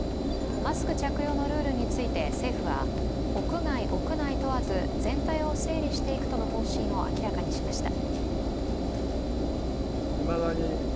マスク着用のルールについて政府は屋外・屋内問わず全体を整理していくとの方針を明らかにしました。